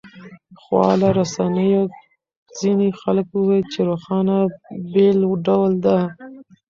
خواله رسنیو ځینې خلک وویل چې روښنايي بېل ډول ده.